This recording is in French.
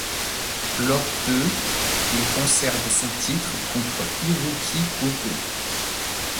Lors de ', il conserve son titre contre Hirooki Goto.